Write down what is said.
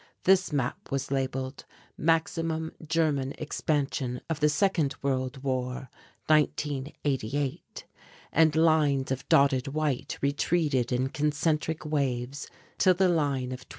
This map was labelled "Maximum German Expansion of the Second World War, 1988," and lines of dotted white retreated in concentric waves till the line of 2041.